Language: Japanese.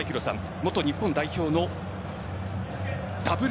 元日本代表のダブル